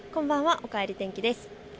おかえり天気です。